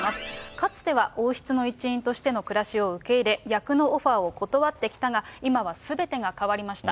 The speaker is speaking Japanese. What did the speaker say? かつては王室の一員としての暮らしを受け入れ、役のオファーを断ってきたが、今はすべてが変わりました。